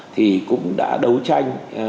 thì cũng đã đấu tranh